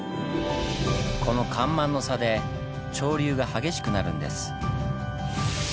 この干満の差で潮流が激しくなるんです。